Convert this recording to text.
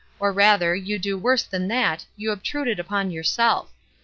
Or rather, you do worse than that, you obtrude it upon yourself.